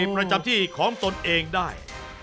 ประจำที่ของตนเองได้